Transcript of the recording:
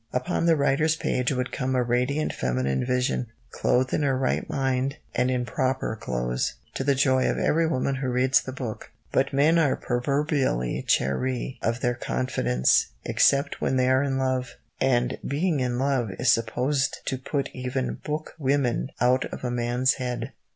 Upon the writer's page would come a radiant feminine vision, clothed in her right mind and in proper clothes, to the joy of every woman who reads the book. But men are proverbially chary of their confidence, except when they are in love, and being in love is supposed to put even book women out of a man's head.